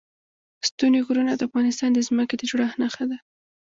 ستوني غرونه د افغانستان د ځمکې د جوړښت نښه ده.